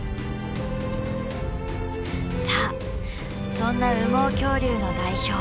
さあそんな羽毛恐竜の代表